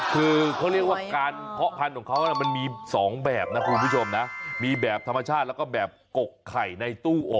ของเขาลียว่าการเพาะพันธุ์เป็นของเขามีสองแบบนะมีแบบธรรมชาติและแบบตู้แบบไข่